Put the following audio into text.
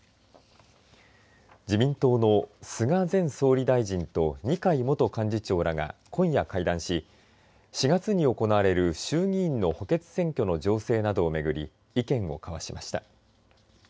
自民党の菅前総理大臣と二階元幹事長らが今夜会談し４月に行われる衆議院の補欠選挙の情勢などを巡り意見を交わしました。